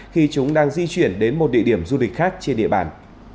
khi chúng đang di chuyển đến một địa điểm du lịch khác trên địa bàn